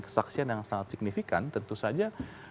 kesaksian yang sangat signifikan tentu saja